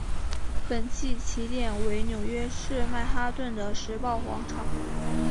本季起点为纽约市曼哈顿的时报广场。